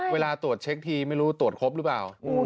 เวลาตรวจเช็คทีไม่รู้ตรวจครบหรือเปล่า